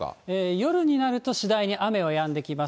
夜になると次第に雨はやんできます。